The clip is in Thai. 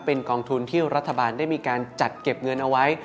เป็นกองทุนที่รัฐบาลได้มีการจัดเก็บเงินเอาไว้